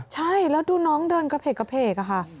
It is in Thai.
ใช่แล้วดูน้องเดินกระเพกค่ะ